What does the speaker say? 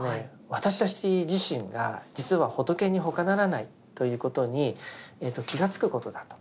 私たち自身が実は仏にほかならないということに気が付くことだと。